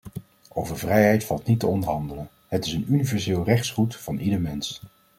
Over vrijheid valt niet te onderhandelen, het is een universeel rechtsgoed van ieder mens.